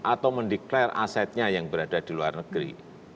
atau mendeklarasi asetnya yang berada di luar negeri